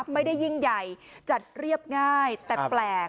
ไม่ได้ยิ่งใหญ่จัดเรียบง่ายแต่แปลก